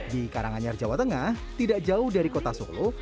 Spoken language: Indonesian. di karanganyar jawa tengah tidak jauh dari kota solo